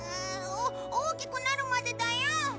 大きくなるまでだよ！